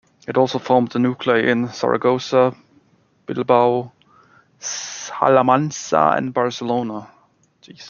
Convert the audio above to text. It also formed nuclei in Zaragoza, Bilbao, Salamanca and Barcelona.